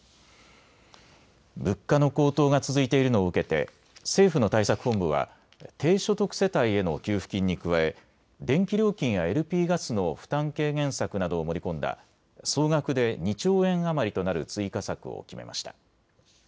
物価の高騰が続いているのを受けて政府の対策本部は低所得世帯への給付金に加え電気料金やＬＰガスの負担軽減策などを盛り込んだ総額で２兆円余りとなる追加策を決めました。